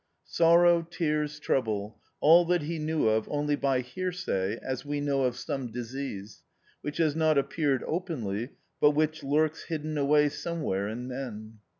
Sorrow, tears, trouble — all that he knew of only by hear say, as we know of some disease, which has not appeared openly, but which lurks hidden away somewhere in men.